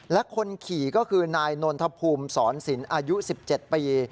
และคนขี่ก็คือนายนนทภูมิสอนศิลป์อายุ๑๗ปี